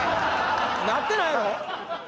なってないやろ？